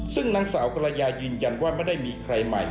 ซึ่งนางสาวกรยายืนยันว่าไม่ได้มีใครใหม่